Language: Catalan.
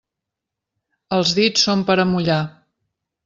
Els dits són per a mullar.